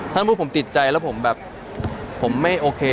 ถ้าพวกผมติดใจแล้วผมแบบผมไม่โอเค